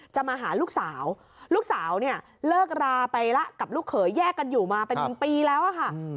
มาหาลูกสาวลูกสาวเนี่ยเลิกราไปแล้วกับลูกเขยแยกกันอยู่มาเป็นปีแล้วอะค่ะ